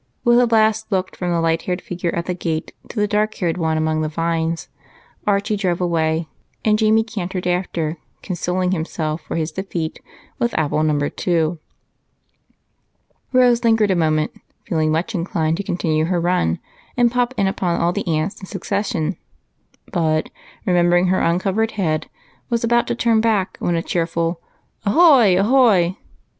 With a last look from the light haired figure at the gate to the dark haired one among the vines, Archie drove away and Jamie cantered after, consoling himself for his defeat with apple number two. Rose lingered a moment, feeling much inclined to continue her run and pop in upon all the aunts in succession, but, remembering her uncovered head, was about to turn back when a cheerful "Ahoy! ahoy!"